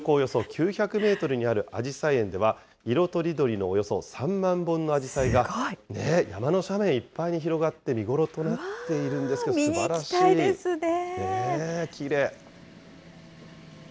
標高およそ９００メートルにあるあじさい園では、色とりどりのおよそ３万本のあじさいが、山の斜面いっぱいに広がって、見頃となっているんですけれども、すばら見に行きたいですね。